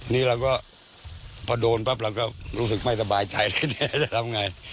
นี่เราก็พอโดนปั๊บเราก็รู้สึกไม่สบายใจแน่จะทำไง